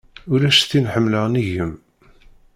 Ulac tin ḥemleɣ nnig-m.